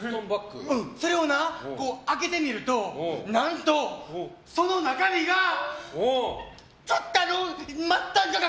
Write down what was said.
それをな、開けてみると、何とその中身が末端価格。